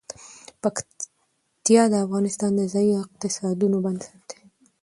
پکتیا د افغانستان د ځایي اقتصادونو بنسټ دی.